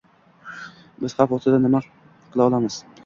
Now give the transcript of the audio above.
Biz xavf ostida nima qila olamiz?